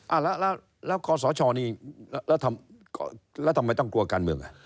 เป็นเพื่อนาคตแล้วะคอแล้วทำไมกลัวการเมืองละ